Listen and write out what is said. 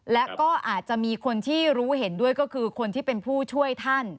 และก็อาจจะมีคนที่รู้เห็นด้วยก็คือคนที่เป็นผู้ช่วยท่าน